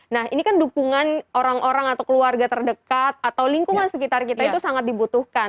nah ini kan dukungan orang orang atau keluarga terdekat atau lingkungan sekitar kita itu sangat dibutuhkan